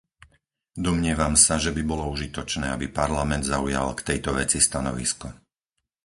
Domnievam sa, že by bolo užitočné, aby Parlament zaujal k tejto veci stanovisko.